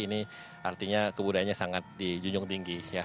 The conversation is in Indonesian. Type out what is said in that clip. ini artinya kebudayaannya sangat dijunjung tinggi